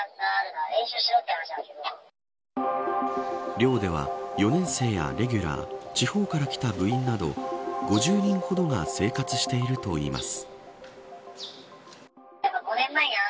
寮では４年生やレギュラー地方から来た部員など５０人ほどが生活しているといいます。